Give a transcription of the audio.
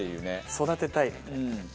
育てたいみたいな。